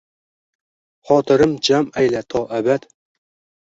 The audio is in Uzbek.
Xotirim jam ayla to abad